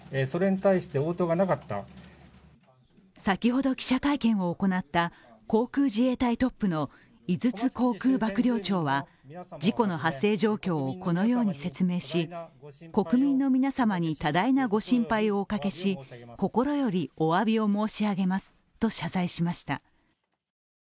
先ほど記者会見を行った航空自衛隊トップの井筒航空幕僚長は事故の発生状況をこのように説明し、国民の皆様に多大なご心配をおかけし心よりおわびを申し上げますと謝罪しました。